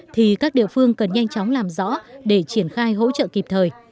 thì các địa phương cần nhanh chóng làm rõ để triển khai hỗ trợ kịp thời